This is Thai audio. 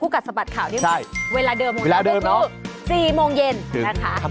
คู่กัดสะบัดข่าวที่เวลาเดิมคุณผู้ชมครับก็คือใช่เวลาเดิมนะ